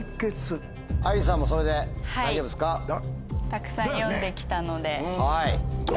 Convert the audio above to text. たくさん読んできたので。だよね？